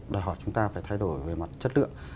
đòi hỏi chúng ta phải thay đổi về mặt chất lượng